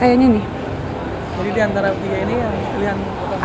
jadi diantara tiga ini yang pilihan